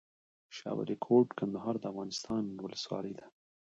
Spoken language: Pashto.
شاه ولي کوټ، کندهار افغانستان ولسوالۍ ده